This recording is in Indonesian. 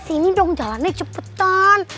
sini dong jalannya cepetan